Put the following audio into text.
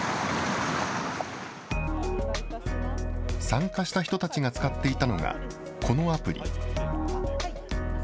参加した人たちが使っていたのが、このアプリ。